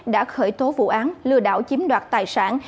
đã khởi tố vụ án lừa đảo chiếm đoạt tài sản